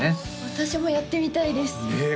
私もやってみたいですねえ